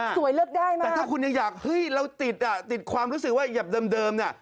แต่ถ้าคุณยังอยากเราติดความรู้สึกว่าอย่างเดิมเนี่ย